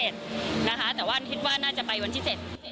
แต่ว่าคิดว่าน่าจะไปวันที่๗